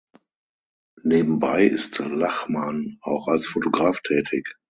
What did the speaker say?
Nebenbei ist Lachman auch als Fotograf tätig.